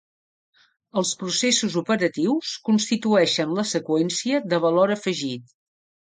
Els processos operatius constitueixen la seqüència de valor afegit.